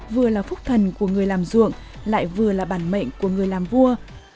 vừa là phúc thần của người làm ruộng lại vừa là bản mệnh của người làm vua